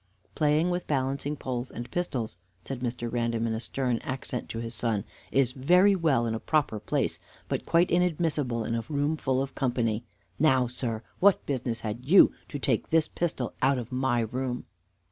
"Playing with balancing poles and pistols," said Mr. Random in a stern accent to his son, "is very well in a proper place, but quite inadmissible in a room full of company. Now, sir, what business had you to take this pistol out of my room?"